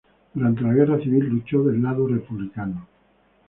Durante la guerra civil luchó del lado republicano.